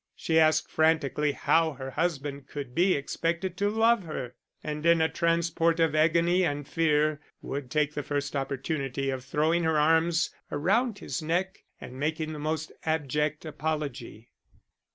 She asked frantically how her husband could be expected to love her; and in a transport of agony and fear would take the first opportunity of throwing her arms around his neck and making the most abject apology.